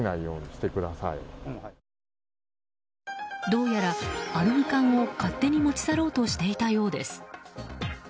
どうやらアルミ缶を勝手に持ち去ろうとしていたようです。